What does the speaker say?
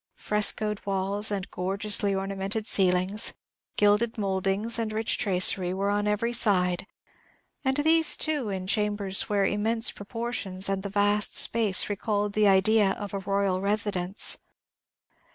Frescoed walls and gorgeously ornamented ceilings, gilded mouldings and rich tracery, were on every side; and these, too, in chambers where the immense proportions and the vast space recalled the idea of a royal residence.